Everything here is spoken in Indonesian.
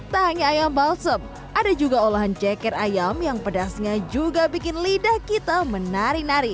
tak hanya ayam balsem ada juga olahan jeker ayam yang pedasnya juga bikin lidah kita menari nari